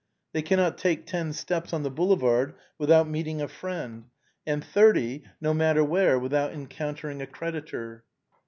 They cannot take ten steps on the Boulevard without meeting a friend, and thirty, no matter where, without encounter ing a creditor.